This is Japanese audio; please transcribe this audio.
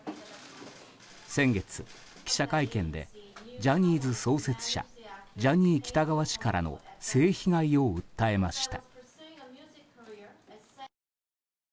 先月、記者会見でジャニーズ創設者ジャニー喜多川氏からの性被害を訴えました。